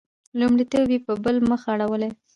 لومړیتونه یې په بل مخ اړولي.